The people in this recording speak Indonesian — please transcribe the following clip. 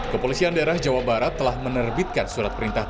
kepolisian daerah jawa barat telah menerbitkan surat keseluruhan kesalahan